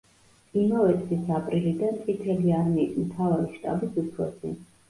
იმავე წლის აპრილიდან წითელი არმიის მთავარი შტაბის უფროსი.